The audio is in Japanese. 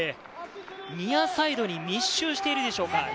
ニアサイドに密集しているでしょうか。